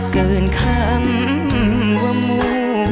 เกินคำว่ามู